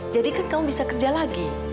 jadi kan kamu bisa kerja lagi